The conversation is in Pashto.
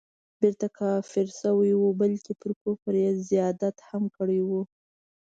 بیرته کافر سوی وو بلکه پر کفر یې زیادت هم کړی وو.